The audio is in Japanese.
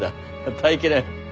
耐え切れぬ。